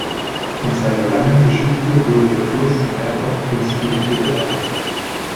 In seiner langen Geschichte wurde der Fluss mehrfach künstlich begradigt.